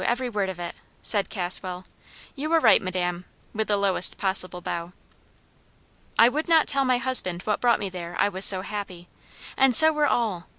every word of it!' said Caswell. 'You are right, madam,' with the lowest possible bow. "I would not tell my husband what brought me there I was so happy; and so were all!